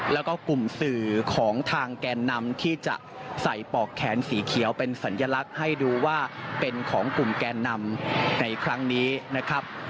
แล้วก็กลุ่มสื่อของทางแกนนำที่จะใส่ปอกแขนสีเขียวเป็นสัญลักษณ์ให้ดูว่าเป็นของกลุ่มแกนนำในครั้งนี้นะครับ